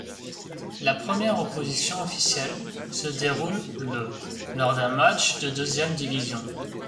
La première opposition officielle se déroule le lors d'un match de deuxième division.